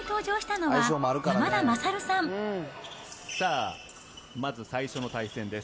さあ、まず最初の対戦です。